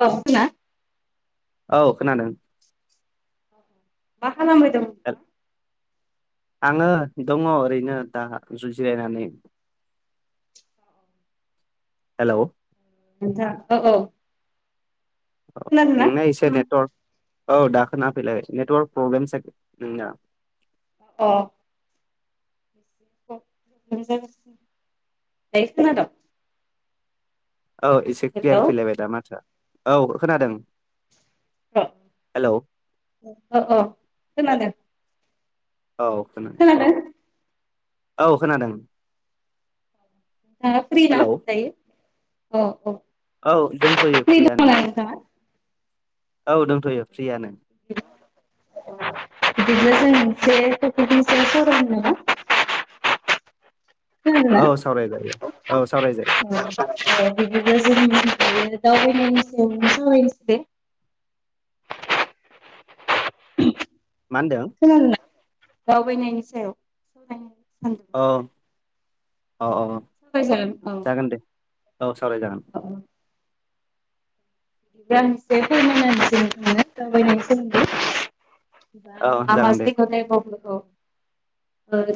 औ [unintelligible] औ खोनादों मा खालामबाय दं नोंथाङा? [unintelligible] आङो दङ ओरैनो दा जुजिरायनानै हेल' नोंथां औ औ खोनादोंना? नोंना एसे नेटवार्क औ दाखोनाफैलायबाय नेटवार्क प्रब्लेम सागे नोंना अ अ नोंथां दायो खोनादोंं औ एसे क्लियार हेलौ फैलायबाय दा माथोआ औ खोनादों हेलौ अ अ खोनादों औखोना खोनादों औ खोनादों। नोंथांङा फ्रि ना हेलौ दायो अ औ औ दोंथ'यो फ्रि दङ फ्रियानो। ना नोंथाङा? औ दंथ'यो फ्रियानो [unintelligible] बिदिनो जों मोनसे टफिकनि सायाव सावरायनो नामा खोनादोंना? औ सावराय जायो औ सावरायजायो। [unintelligible] बिदिबा जों दावबायनायनि सायावनो सावरायनोसै मा होनदों खोनादोंना दावबायनायनि सायाव [unintelligible] औ अअ [unintelligible] औ। जागोन दे औ सावराय जागोन औ। गांसेनो [unintelligible] दावाबायनायसदों। औ मामा जागोन जायग दे बखौ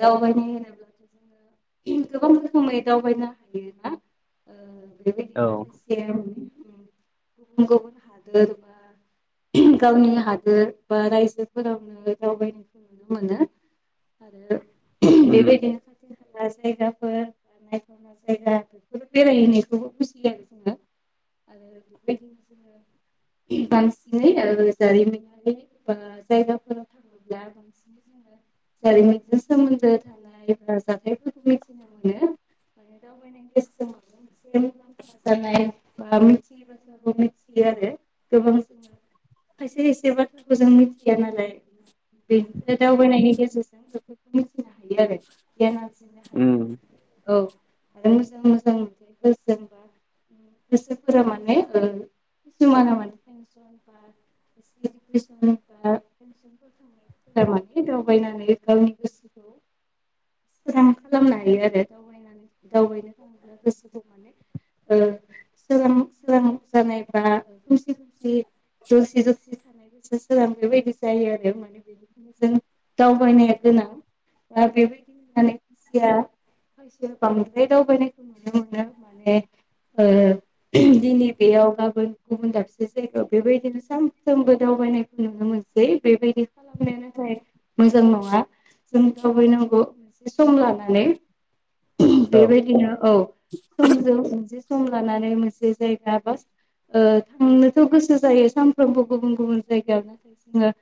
दावबायनो होनोब्ला। [inaudible] गोबां रोखोमै दावबायनो हायो ना औ बेबायदिनो खायसे गुबुन गुबुन हादोर बा गावनि हादोर बा रायजोफोरावनो दावबायनायखौ नुनो मोनो आरो उम बेबायदिनो ला जायगाफोर नायथावना जायगा बेफोर बेरायहैनायखौबो बुजियो आरो जोङो। आरो बेदिनो जोङो बांसिनै जारिमिनारि बा जायगाफोराव थ [inaudible] जारिमिनजों सोमोन्दो थानाय जाथायफोरखौ मिथिनो मोनो। [unintelligible] मिथियो आरो गोबां जों। खायसे खायसे बाथ्राखौ जों मिथिया नालाय। बेनिफ्राय दावबायनायनि गेजेरजों बेफोरखौ मिथिनो हायो आरो। गियान आरजिनो उम हायो औ। आरो मोजां मोजां मोन गोजोंबा गोसोफोरा माने। खिसुमाना माने [inaudible] [inaudible] थारमाने दावबायनानै गावनि गोसो सोरां खालामनो हायो आरो दावनानै दावबायनो थाङोब्ला गोसोखौ ओ सोरां सोरां जानाय बा खोमसि खोमसि जसि जसि थानायबो जासै गोजां बेबायदि जायो आरो माने बेनिखायनो जों दावबायनाया गोनां दा बेबायदि होननानै खुसिया सो बांद्राय दावबायनायखौ नुनो मोनो माने ओ दिनै बेयाव गाबोन गुबुन दाबसे जायगायाव बेबायदिनो सानफ्रोमबो दावबायनायखौ नुनो मोनसै बेबायदि खालामनाया नाथाय मोजां नङा जों दावबायनांगौ मोनसे सम लानानै औ बेबायदिनो औ समजों मोनसे सम लानानै मोनसे जायगा [unintelligible] ओ थांनोथ' गोसो जायो सामफ्रामबो गुबुन गुबुन जायगायावनो जोङो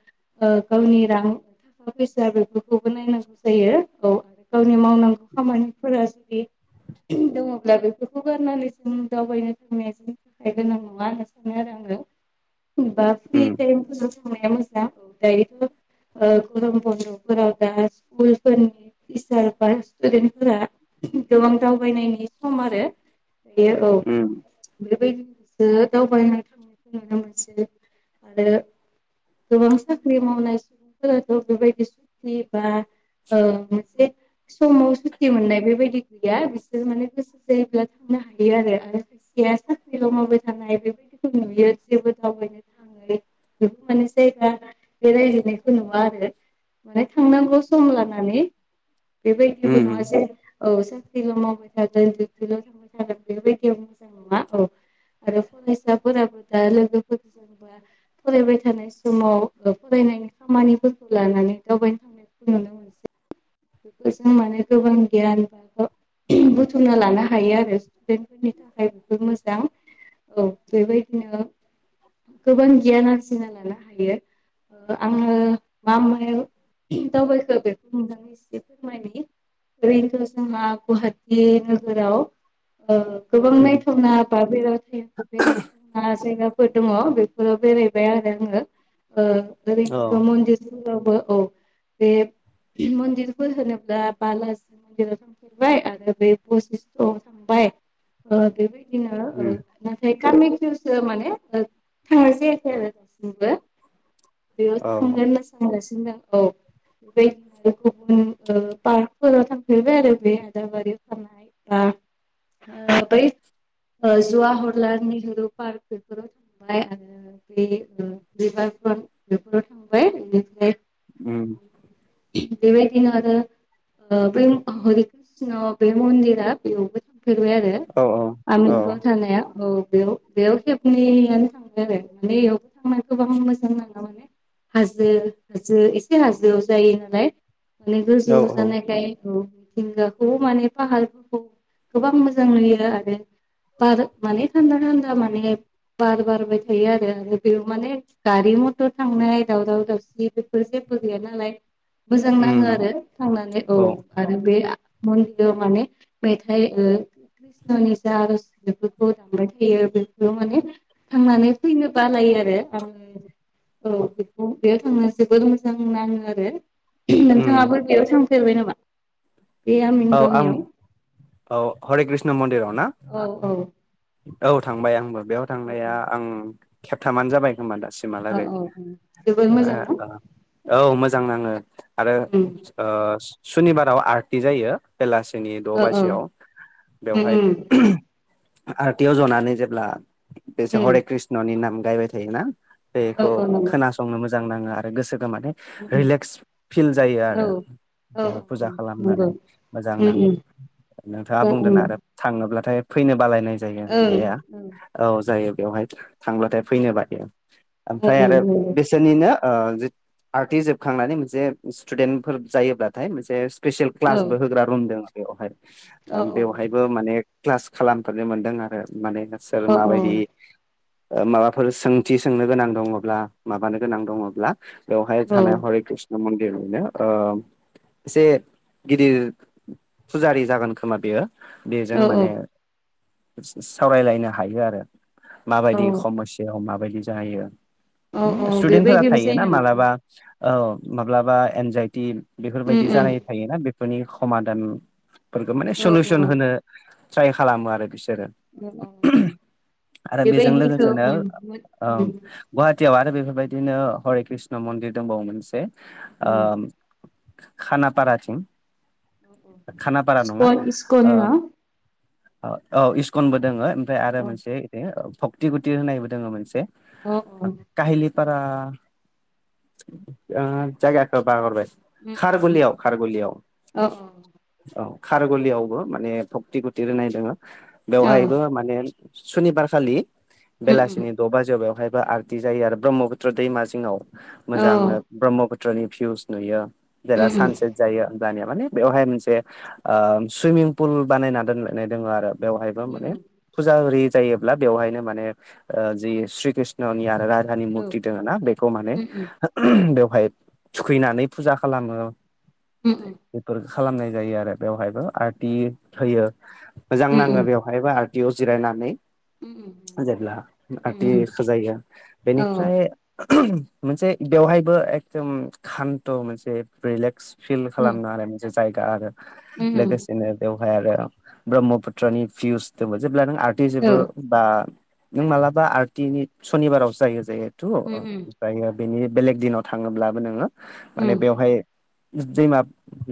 गावनि रां थाखा फैसा बेफोरखौबो नायनांगौ जायो औ गावनि मावनांगौ खामानिफोरा जुदि दङब्ला बेफोरखौ गारनानानै जों दावबायनो दोंनायाजों गोनां नङा होन सानो आरो आङो हमबा फ्रि उम टाइम [unintelligible] मोजां औ दायोथ' गरम बन्द'फोराव दा स्कुलफोरनि टिचार बा स्टुदेन्टफोरा गोबां दावबायनायनि सम आरो बियो औ उम बेबायदिनोसो दावबायनाय थांनायखौ नुनो मोनसै आरो गोबां साख्रि मावनाय सुबुंफोराथ' बेबायदि सुक्ति बा ओ मोनसे समाव सुति मोननाय बेबायदि गैया बिसोर माने गोसो जायोब्ला थांनो हायो आरो जखाया साख्रिल मावाबाय थानाय बेबायदिखौ नुयो जेबो दावबायनो बेखौ माने जायगा बेरायहायनायखौ नुवा आरो माने थांनांगौ सम लानानै बेबायदिबो उम नङा जे औ साख्रिल' मावबाय थागोन देउथिल' थांबाय थागोन बेबायदियाव [unintelligible] औ आरो फरायसाफोराबो दा लोगोफोरजोंबो फरायबाय थानाय समाव फरायनायनि खामानिफोरखौ लानानै दावबायनो थांना [unintelligible] बेखौ जों माने गोबां गियान [unintelligible] बुथुमना लानो हायो आरो स्टुदेन्टफोरनि थाखाय बेबो मोजां औ बेबायदिनो गोबां गियान आरजिना लानो हायो आङो मा मायाव दावबायखो बेखौ नोंथांनो फोरमायनि ओरैथ' जोंहा गुवाहाटि नोगोराव गोबां उम नायथावना बा बेरायबाय [unintelligible] [unintelligible] जायगाफोर दङ बेफोराव बेरायबाय आरो आङो औ ओरैनोथ' मन्दिर [unintelligible] औ बे मनदिर फोर होनोब्ला बालाजि मन्दिराव थांफेरबाय आरो बे बयसिस्तआव थांबाय ओ बेबायदिनो ओ उम नाथाय कामाख्यायावसो माने थांनाय जायाखै आरो दासिमबो बेयाव औ थांगोन होनना सानगासिनो दं औ बेबायदिनो पार्कफोराव थांफेरबाय आरो बे आदाबारियाव थानाय बा बै जवाहरलाल नेहरु पार्क बेफोराव थांबाय आरो बे रिभार प्रन्ट बेफोराव थांबाय बेनिफ्राय [unintelligible] बेबायदिनो आरो बे हरि कृष्ण बे मन्दिरा बेयावबो थांफेरबाय आरो औ औ औ आमिनगावाव थानाया औ बेयाव बेयाव खेबनैयानो थां बाय आरो माने बेयावबो थांना गोबां मोजां नाङो माने हाजो हाजो एसे हाजोआव जायो नालाय माने औ गोजौआव औ जानायखाय औ मिथिंगाखौबो माने फाहारफोरखौ गोबां मोजां नुयो आरो बार माने थान्दा थान्दा माने बार बारबाय थायो आरो आरो बेयाव माने गारि मथर थांनाय दावराव दावसि बेफोर जेबो गैया नालाय मोजां नाङो उम आरो थांनानै औ आरो बे मन्दिराव माने मेथाइ कृष्णनि जा आर'ज बेफोरखौ दामबाय थायो बेफोर माने थांनानै फैनो बालायो आरो [unintelligible] औ बेखौ बेयाव थांनो जोबोर मोजां नाङो आरो उम नोंथाङाबो बेयाव थांफेरबाय नामा बे आमिन औ आं गावनियाव औ हरि कृष्ण मन्दिराव ना औ औ औ थांबाय आंबो बेयाव औ थांनाया आं खेबथामानो जाबाय खोमा दासि औ मालागै औ जोबोर मोजां ना औ मोजां नाङो आरो उम सुनिबाराव आर्टि जायो बेलासिनि द' औ औ बाजियाव उम बेवहाय उम आर्टियाव जनानै जेब्ला बेसे उम हरि कृष्णनि नाम गायबाय थायोना औ बेखौ औ नंगौ खोनासंनो मोजां नाङो आरो गोसोखौ माने उम उम रिलेक्स फिल जायो औ आरो औ बेहा फुजा नंगौ खालामनानै मोजां उम नाङो उम नोंथाङा ओं बुंदों ओं आरो थाङोब्लाथाय फैनो बालायनाय जायो ओं होननाया औ जायो बेवहाय थांब्लाथाय फैनो बायो ओं ओमफ्राय ओं आरो नंगौ बेसे रनिनो आर्टिस जोबखांनानै मोनसे स्टुडेन्टफोर जायोब्लाथाय मोनसे स्पेसियेल औ क्लासबो होग्रा रुम दङ बेवहाय औ बेवहायबो माने क्लास खालामफेरनो मोनदों आरो माने नोंसोर औ माबायदि माबाफोर सोंथि सोंनो गोनां दङब्ला माबानो गोनां दङब्ला बेवहाय औ थानायानाय हरि कृष्ण मन्दिर बेनो एसे गिदिर फुजारि जागोन खोमा बेयो बेजों माने सावरायलायनो हायो आरो औ माबायदि खमस्या माबायदि जाहैयो औ मे औ स्टुदेन्टफोरा थायो बेबायदिनोसै ना नामा उम मालाबा औ माब्लाबा एनजाइटि बेफोरबायदि उम जानाय थायोना बे फोरनि समादानफोरखौ माने औ सलिउसन होनो ट्राइ खालामो आरो बिसोरो औ औ आरो बेजों बेबायदिखौ लोगोसेनो ओ गुवाहाटियाव आरो बेफोरबायदिनो हरि कृष्ण मन्दिर दंबावो मोनसे खानापाराथिं खानापारा स्कन नङा इस्कन ओ ना औ औ इस्कनबो दोङो ओमफ्राय अ आरो मोनसे भक्ति गुति होननायबो दङो मोनसे अ अ। काहिलिपारा ओ जायगाखो बागरबाय। उम औ। औ खारगलियावबो माने भक्ति गुति होननाय दङो औ बेवहायबो माने सनिबार खालि उम उम बेलासिनि द' बाजियाव बेवहायबो आरथि जायो आरो ब्रह्मपुत्र दैमा जिङाव औ मोजांनो ब्रह्मपु त्रनि भिउस नुयो जेरला उम उम सानसेट जायो। दानिया माने बेवहाय मोनसे सुइमिं पुल बानायना दोनायनाय दङ आरो। बेवहायबो उम माने फुजा होरि जायोब्ला बेवहायनो माने जि श्रीकृष्णनि आरो रा धानि औ मुरथि दोङोना बेखौ माने उम बेवहाय थुखैनानै फुजा खालामो। उम उम। बेफोर खालामनाय जायो आरो बेवहायबो आर्टि होयो मोजां उम नाङो उम उम बेव मायबा आरतियाव जिरायनानै जेब्ला आरथि उम जायो औ बेनिफ्राय मोनसे बेवहायबो एकदम खान्थ' मोनसे रिलेक्स फिल उम खालामनो आरो मोनसे जायगा आरो उम लोगोसेनो बेवहाय आरो ब्रह्मपुत्रनि भिउहदोबो जेब्ला नों आर्टि औ जोबो बा नों मालाबा आर्थिनि शनिबारावसो जायो जेहेतु उम ओमफ्रायो बेनि बेलेग दिनाव थाङोब्लाबो नोङो उम माने बेवहाय दैमा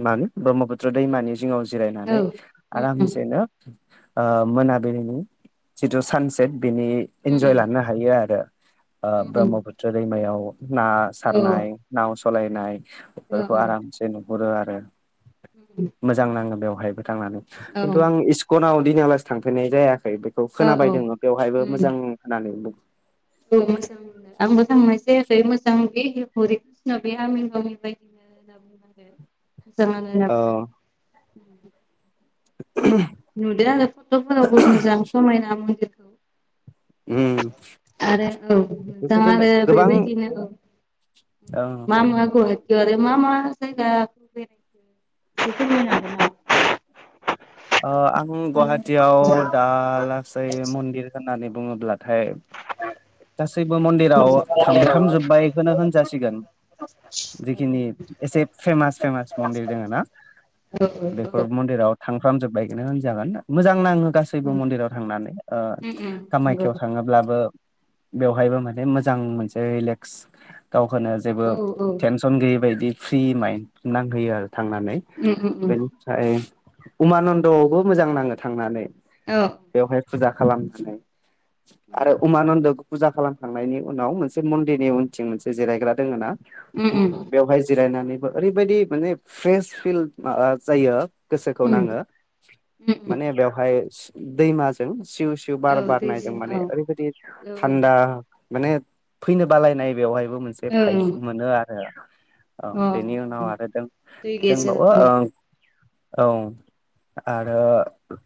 मानो ब्रह्मपुत्र दैमानि जिङाव औ जिरायनानै उम उम आरामसेनो ओ मोनाबिलिनि जिथु सानसेट बेनि उम इनजय लानो हायो आरो ओ उम ब्रह्मपुत्र दैमायाव ना औ औ सारनाय नाव सलायनाय औ बेफोरखौ आरामसे नुहुरो आरो। उम। मोजां नाङो बेवहायबो थांनानै खिन्थु आं इस्कनाव दिनै आले थांफेरनाय जायाखै। औ खोनाबाय दैङो बेवहायबो उम औ मोजां होननानै बुं [unintelligible] आंबो थांनाय जायाखै मोजां बे हरि कृष्ण आमिनगावनि बायदि मोजां नाङो ओ होनना बुङो [unintelligible] [inaudible] नुदो आरो फट'फोरावबो मोजां समायना मन्दिरखौ उम [inaudible] आरो औ मोजां बेबायदिनो आरो गोबां बेबायदिनो औ। ओ मा मा गुवाहा औ आरो मा मा जायगाखौ बेरायखो एसे फोरमायनो हागोन नामा? ओ आं गुवाहाटियाव हागोन दा लासै मन्दिर होननानै बुङोब्लाथाय गासैबो मन्दिराव नामा? थांफ्रामजोब्बायखौनो होनजासिगोन। औ जिखिनि एसे फेमास फेमास मन्दिर दोङोना? औ औ बेफोर मन्दिराव थांफ्रामजोबायखोनो होनजागोन मोजां नाङो गासै बो उम मन्दिराव थांनानै ओ उम उम नंगौ कामाख्याआव थाङोब्लाबो बेवहायबो माने मोजां मोनसे रिलेक्स गावखो जेबो औ औ तेन सन गैयि बायदि फ्रि माइन्ड नांहोयो आरो थांनानै उम उम उम बेनिफ्राय उमानन्दआवबो मोजां नाङो थांनानै औ बेवहाय फुजा खालामनानै उम आरो उमानन्दबो फुजा खालामखांनायनि उनाव मोनसे मन्दिरनि उनथिं मोनसे जिरायग्रा दोङो ना? उम बेवहाय जिरायनानैबो ओरैबायदि माने फ्रेस फिल माबा जायो। खौ उम नाङो उम उम माने बेवहाय दैमाजों सिउ सिउ बार औ बारनायदों दैजों माने औ ओरैबायदि औ थान्दा माने फैनो बालायनाय बेवहायबो मोनसे औ फाइभस मोनो आरो। औ ओं बेनि उनाव अ आरो दै गेजेराव दोबावो उम ओ औ आरो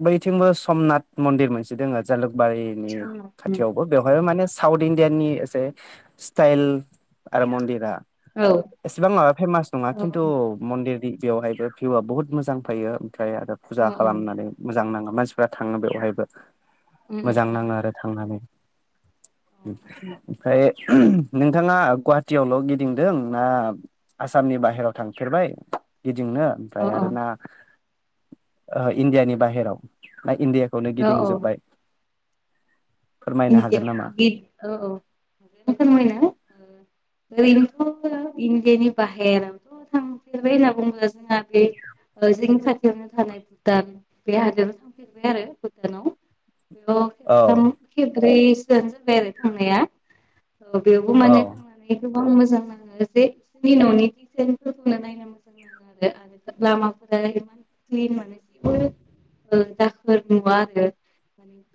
बैथिंबो समनाथ मन्दिर मोनसे दोङो जालुकबारि नि समना उम खाथियावबो बेवहायबो माने साउथ इण्डियाननि एसे स्टाइल आरो मन्दिरा। औ एसेबां माबा फेमास नङा औ खिन्थु मन्दिरनि बेवहाय बे भिउआ बुहुत मोजां। फैयो ओमफ्राय आरो औ फुजा खालामनानै मोजां नाङो मानसिफ्रा थाङो बेवहायबो। उम मोजां उम नाङो आरो थांनानै। अ ओमफ्राय नोंथाङा गुवाहाटियावल' गिदिंदों ना? आसामनि बाहेराव थांफेरबाय गिदिंनो। ओमफ्राय आरो ना अ इण्डियानि बाहेराव ना इण्डिया खौनो अ अ गिदिंजोब्बाय। फोरमायनो इणडियान हागोन नामा गेट औ औ फोरमायना ओरैनोथ' इण्डियानि बाहेरावथ' थांफेरबाय होनना बुङोब्ला जोंना बे जोंनि खाथियावनो थानाय भुटान बे हादराव थांफेरनबाय आरो भुटानाव। बेयाव औ खेबथाम खेबब्रैसोआनो जोबबाय आरो थांनाया। बेयावबो औ माने थांनानै गोबां मोजां नाङो जे बिसोरनि न'नि दिजाइनफोरखौनो नायनो मोजां [unintelligible] दाखोर नुवा आरो माने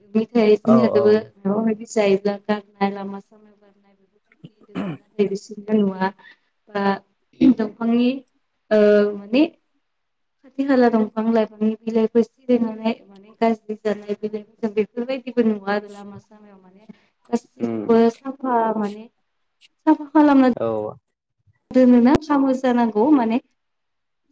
ओमफाय जोंनि औ अहाय बि जायोब्ला गारनाय लामा सामा गारनाय बेफोरबायदि [unintelligible] नुवा बा ओ दंफांनि ओ बे खाथि खाला दंफां लाइफांनि बिलाइफोर सिरिनानै माने गाज्रि जानाय बिलाइ जों बेफोरबायदिबो नुवा आरो लामा सामायाव माने उम गासैखौबो साफा माने खालाम औ दोनोना सामस जानांगौ माने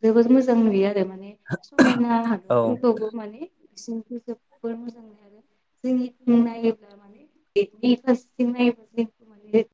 जोबोद मोजां नुयो आरो माने समायना औ हाग्राफोरखौबो माने बिसोरनिखौ जोबोद मोजां मोनो आरो। जोंनि नायोब्ला माने [unintelligible]